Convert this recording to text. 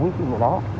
giải quyết điều đó